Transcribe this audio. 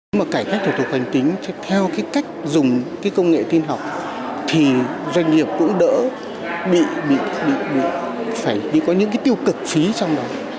nếu mà cải cách thủ tục hành chính theo cái cách dùng cái công nghệ tin học thì doanh nghiệp cũng đỡ bị có những cái tiêu cực phí trong đó